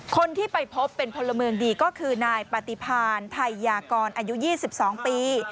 คนที่ไปพบเป็นพลเมืองดีก็คือนายปฏิพานไทยยากรอายุ๒๒ปี